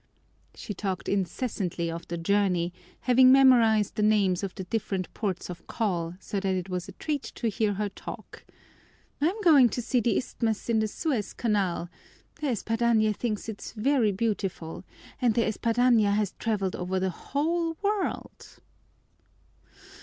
She talked incessantly of the journey, having memorized the names of the different ports of call, so that it was a treat to hear her talk: "I'm going to see the isthmus in the Suez Canal De Espadaña thinks it very beautiful and De Espadaña has traveled over the whole world."